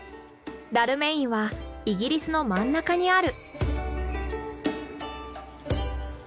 ダルメインはイギリスの真ん中にある。